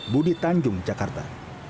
budi tanjung jakarta